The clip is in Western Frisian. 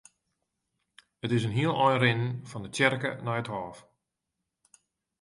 It is in hiel ein rinnen fan de tsjerke nei it hôf.